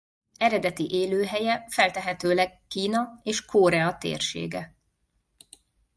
Eredeti élőhelye feltehetőleg Kína és Korea térsége.